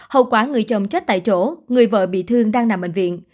hậu quả người chồng chết tại chỗ người vợ bị thương đang nằm bệnh viện